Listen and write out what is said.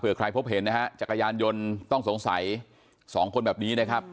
เพื่อใครพบเห็นนะฮะจักรยานยนต์ต้องสงสัย๒คนแบบนี้นะครับ